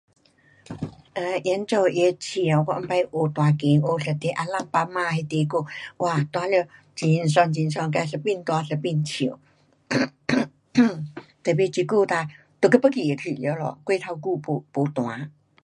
呃，演奏乐器 um，我以前学弹琴，学一首 Alabama 那首歌，哇，弹了很爽很爽，自一边弹一边唱， tapi 这久哒都给忘记去了咯。过头久没,没弹。